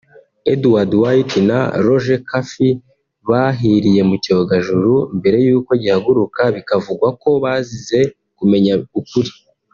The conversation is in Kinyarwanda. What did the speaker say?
Edward White na Roger Chaffee bahiriye mu cyogajuru mbere y'uko gihaguruka bikavugwa ko bazize kumenya ukuri